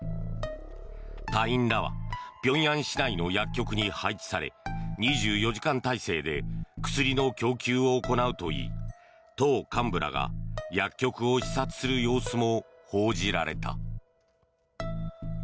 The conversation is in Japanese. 隊員らは平壌市内の薬局に配置され２４時間体制で薬の供給を行うといい党幹部らが薬局を視察する様子も報じられた。